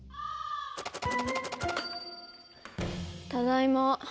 ただいま。